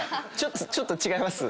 ちょっと違います？